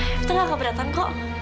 eh vita gak keberatan kok